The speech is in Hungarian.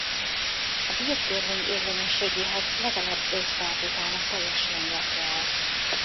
A Beer-törvény érvényességéhez legalább öt feltételnek teljesülnie kell.